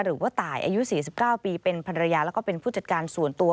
หรือว่าตายอายุ๔๙ปีเป็นภรรยาแล้วก็เป็นผู้จัดการส่วนตัว